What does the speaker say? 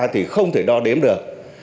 thì không thể đo đếm được